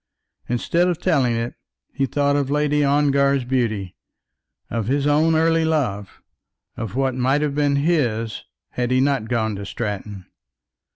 Instead of telling it he thought of Lady Ongar's beauty, of his own early love, of what might have been his had he not gone to Stratton.